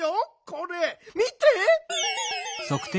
これ見て！